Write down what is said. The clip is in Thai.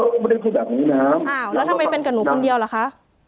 น้ำอ้าวแล้วทำไมเป็นกับหนูคนเดียวล่ะคะ